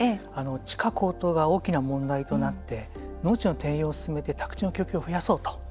地価高騰が大きな問題となって農地の転用を進めて宅地の供給を増やそうと。